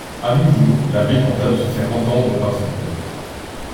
A nouveau l'abbé tenta de se faire entendre par son père.